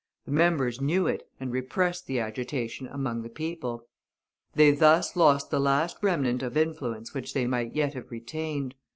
The members knew it, and repressed the agitation among the people. They thus lost the last remnant of influence which they might yet have retained.